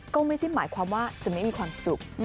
ก็ไม่ใช่หมายความว่าจะไม่มีความสุข